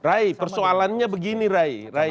rai persoalannya begini rai